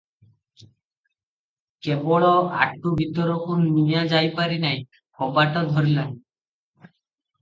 କେବଳ ଆଟୁ ଭିତରକୁ ନିଆଁ ଯାଇପାରି ନାହିଁ, କବାଟ ଧରିଲାଣି ।